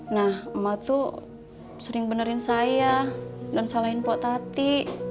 nah emak tuh sering benerin saya dan salahin potati